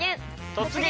「突撃！